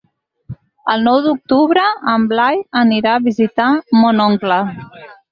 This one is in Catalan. El nou d'octubre en Blai anirà a visitar mon oncle.